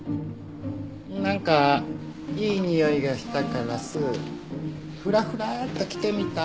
なんかいいにおいがしたからさフラフラッと来てみた。